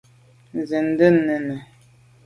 Zin nde nène.